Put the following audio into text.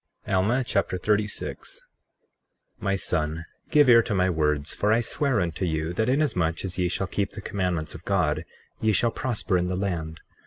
Alma Chapter 36 36:1 My son, give ear to my words; for I swear unto you, that inasmuch as ye shall keep the commandments of God ye shall prosper in the land.